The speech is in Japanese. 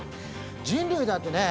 人類だってねえ